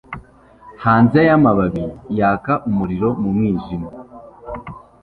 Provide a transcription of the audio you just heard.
hanze y'amababi yaka umuriro mu mwijima